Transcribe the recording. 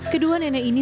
kedua nenek ini